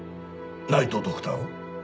ナイト・ドクターを？